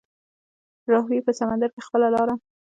راوهي په سمندر کې خپله لاره